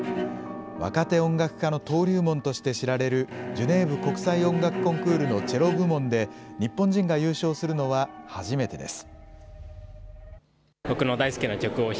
若手音楽家の登竜門として知られる、ジュネーブ国際音楽コンクールのチェロ部門で日本人が優勝するのは初めてです。